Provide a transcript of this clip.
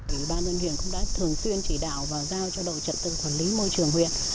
ủy ban dân huyện cũng đã thường xuyên chỉ đạo và giao cho đội trận tư quản lý môi trường huyện